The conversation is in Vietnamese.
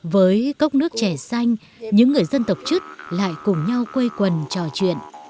với cốc nước trẻ xanh những người dân tộc chức lại cùng nhau quây quần trò chuyện